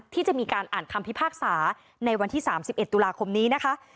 ที่จะมีการอ่านคำพิพากษาในวันที่๓๑ตุลาคมนี้นะคะ